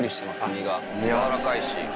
身がやわらかいし。